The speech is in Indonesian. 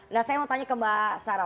nah saya mau tanya ke mbak sarah